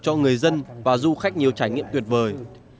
cho người dân và du khách nhiều trải nghiệm tuyệt vời